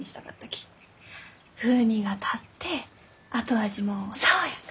風味が立って後味も爽やか。